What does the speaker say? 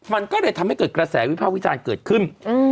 มันก็เลยทำให้เกิดกระแสวิภาควิจารณ์เกิดขึ้น